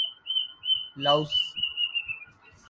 Laos